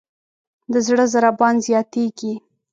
د زړه ضربان زیاتېږي.